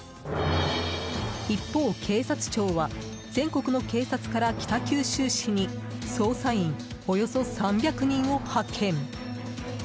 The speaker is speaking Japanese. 一方、警察庁は全国の警察から北九州市に捜査員およそ３００人を派遣。